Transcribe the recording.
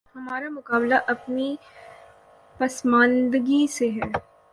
ہمارا مقابلہ اپنی پسماندگی سے ہے۔